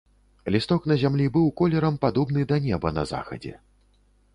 Лісток на зямлі быў колерам падобны да неба на захадзе.